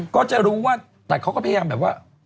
ก็จะรู้ว่าแต่เขาก็พยายามแบบว่า